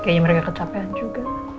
kayaknya mereka kecapean juga